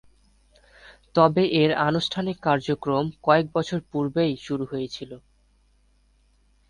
তবে এর আনুষ্ঠানিক কার্যক্রম কয়েক বছর পূর্বেই শুরু হয়েছিল।